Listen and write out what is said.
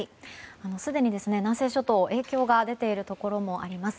すでに南西諸島に影響が出ているところもあります。